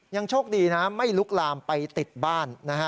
ยังโชคดีนะไม่ลุกลามไปติดบ้านนะฮะ